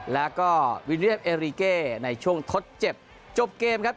แล้วก็วิลเรียมเอริเกในช่วงทดเจ็บจบเกมครับ